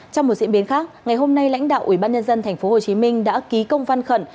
trong một diễn biến khác ngày hôm nay lãnh đạo ủy ban nhân dân tp hcm đã ký công văn khẩn